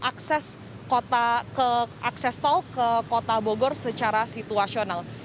akses tol ke kota bogor secara situasional